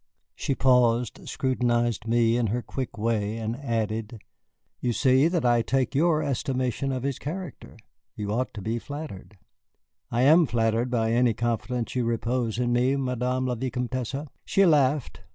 She paused, scrutinized me in her quick way, and added: "You see that I take your estimation of his character. You ought to be flattered." "I am flattered by any confidence you repose in me, Madame la Vicomtesse." She laughed.